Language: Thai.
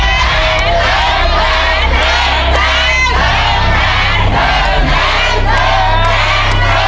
ลูกแสนลูกแสนลูกแสน